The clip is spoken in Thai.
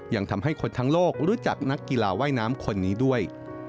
ยังทำให้คนทั้งโลกรู้จักนักกีฬาว่ายน้ำคนนี้ด้วย